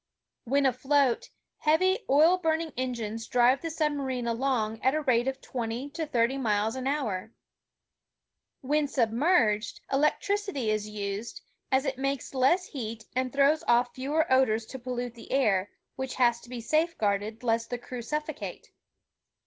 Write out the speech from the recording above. When afloat, heavy oil burning engines drive the sub marine along at a rate of twenty to thirty miles an hour. 268 OTHER FAMOUS INVENTORS OF TO DAY When submerged, electricity is used, as it makes less heat and throws ofiE fewer odors to pollute the air, which has to be safeguarded, lest the crew suffocate.